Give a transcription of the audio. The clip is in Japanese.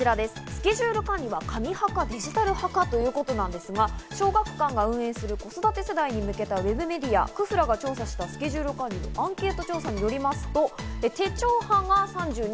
スケジュール管理は紙派かデジタル派かということなんですが小学館が運営する子育て世代に向けたＷＥＢメディア、ｋｕｆｕｒａが調査したスケジュール管理のアンケート調査によりますと、手帳派が３２．９％。